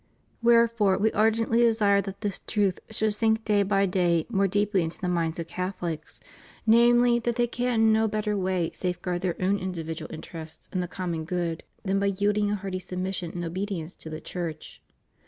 Wherefore, We ardently desire that this truth should sink day by day more deeply into the minds of Catholics — namely, that they can in no better way safeguard their own in dividual interests and the common good than by yielding a hearty submission and obedience to the Church.